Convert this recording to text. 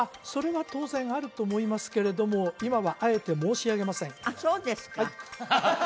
それは当然あると思いますけれども今はあえて申し上げませんあっ